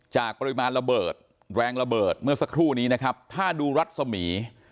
ปริมาณระเบิดแรงระเบิดเมื่อสักครู่นี้นะครับถ้าดูรัศมี